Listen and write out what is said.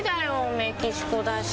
メキシコだし。